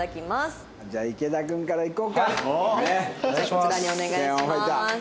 こちらにお願いします。